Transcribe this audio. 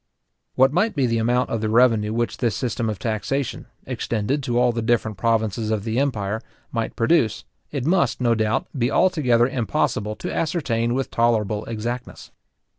What might be the amount of the revenue which this system of taxation, extended to all the different provinces of the empire, might produce, it must, no doubt, be altogether impossible to ascertain with tolerable exactness.